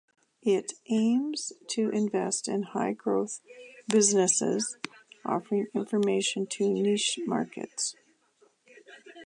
It aims to invest in high-growth businesses offering information to niche markets.